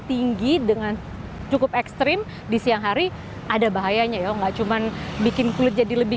tinggi dengan cukup ekstrim di siang hari ada bahayanya ya enggak cuman bikin kulit jadi lebih